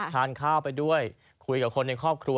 ทานข้าวไปด้วยคุยกับคนในครอบครัว